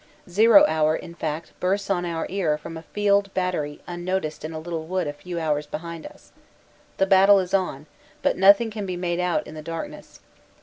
"Zero" hour, in fact, bursts on our ear from a field battery unnoticed in a little wood a few yards behind us. The battle is on, but nothing can be made out in the darkness.